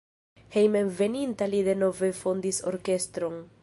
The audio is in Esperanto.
Hejmenveninta li denove fondis orkestron.